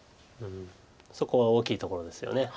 そこは大きいところですよね。